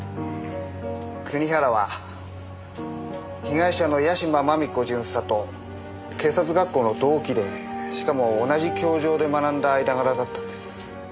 国原は被害者の屋島真美子巡査と警察学校の同期でしかも同じ教場で学んだ間柄だったんです。